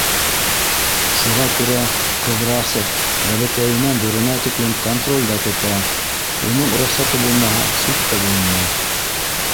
Шуға күрә Ҡыҙрасов бәләкәйенән ҙурына тиклем контролдә тота, уның рөхсәте булмаһа, сүп тә бүленмәй.